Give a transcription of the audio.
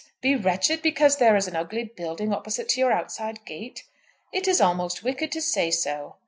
be wretched because there is an ugly building opposite to your outside gate? It is almost wicked to say so.